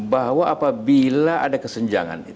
bahwa apabila ada kesenjangan